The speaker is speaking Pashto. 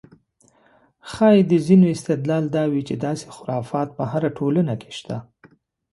ښایي د ځینو استدلال دا وي چې داسې خرافات په هره ټولنه کې شته.